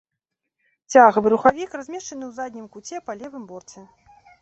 Цягавы рухавік размешчаны ў заднім куце па левым борце.